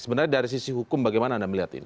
sebenarnya dari sisi hukum bagaimana anda melihat ini